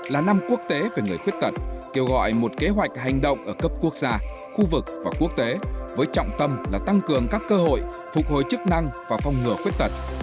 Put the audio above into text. là năm quốc tế về người khuyết tật kêu gọi một kế hoạch hành động ở cấp quốc gia khu vực và quốc tế với trọng tâm là tăng cường các cơ hội phục hồi chức năng và phong ngừa khuyết tật